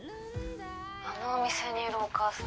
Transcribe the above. あのお店にいるお母さん